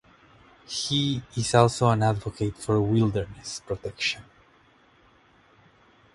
He is also an advocate for wilderness protection.